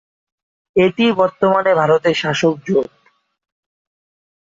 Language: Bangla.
এটি বর্তমান ভারতের শাসক জোট।